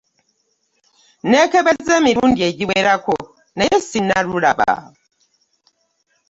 N'ekebezza emirundi egiwerako naye sinnalulaba